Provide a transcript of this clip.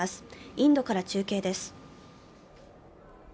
インドから中継です。